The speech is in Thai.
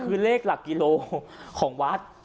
คือเลขหลักกิโลของวัด